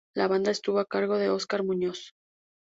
La banda estuvo a cargo de Oscar Muñoz.